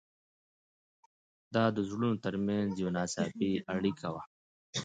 دا د زړونو تر منځ یوه ناڅاپي اړیکه وه.